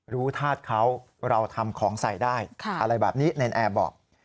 ธาตุเขาเราทำของใส่ได้อะไรแบบนี้เนรนแอร์บอก